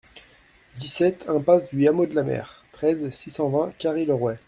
dix-sept impasse du Hameau de la Mer, treize, six cent vingt, Carry-le-Rouet